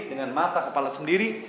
dengan mata kepala sendiri